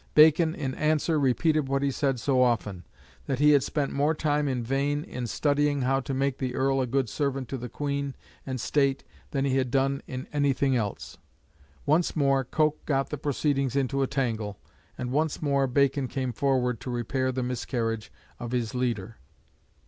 Bacon, in answer, repeated what he said so often "That he had spent more time in vain in studying how to make the Earl a good servant to the Queen and State than he had done in anything else." Once more Coke got the proceedings into a tangle, and once more Bacon came forward to repair the miscarriage of his leader.